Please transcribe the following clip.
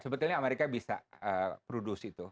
sebetulnya amerika bisa produce itu